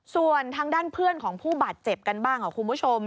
ส่วนทางด้านเพื่อนของผู้บาดเจ็บกันบ้างค่ะคุณผู้ชม